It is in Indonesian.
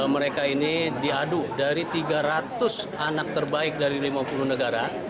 mereka ini diadu dari tiga ratus anak terbaik dari lima puluh negara